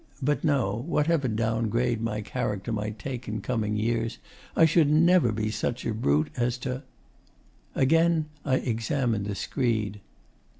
but no: whatever down grade my character might take in coming years, I should never be such a brute as to Again I examined the screed.